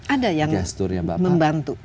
ada yang membantu